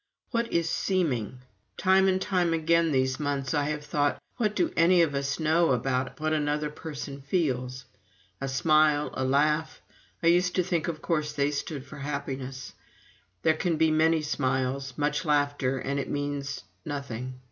What is seeming? Time and time again, these months, I have thought, what do any of us know about what another person feels? A smile a laugh I used to think of course they stood for happiness. There can be many smiles, much laughter, and it means nothing.